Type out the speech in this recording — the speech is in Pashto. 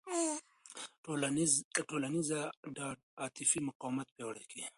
ټولنیزه ډاډ عاطفي مقاومت پیاوړی کوي.